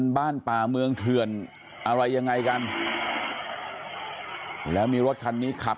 บ้านป่าเมืองเถื่อนอะไรยังไงกันแล้วมีรถคันนี้ขับ